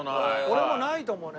俺もないと思うね。